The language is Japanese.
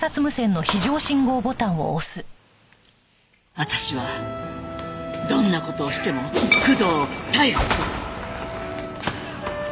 「私はどんな事をしても工藤を逮捕する」